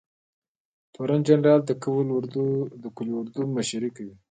تورن جنرال د قول اردو مشري کوي